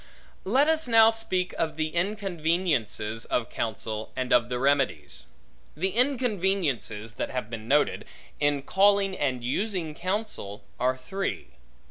Let us now speak of the inconveniences of counsel, and of the remedies. The inconveniences that have been noted, in calling and using counsel, are three.